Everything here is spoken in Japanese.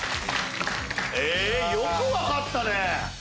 よく分かったね！